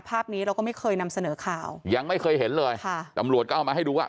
ภาพนี้เราก็ไม่เคยนำเสนอข่าวยังไม่เคยเห็นเลยค่ะตำรวจก็เอามาให้ดูว่า